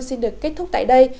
xin được kết thúc tại đây